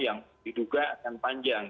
yang diduga akan panjang